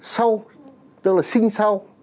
sau tức là sinh sau